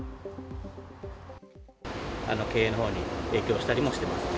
経営のほうに影響したりもしてますね。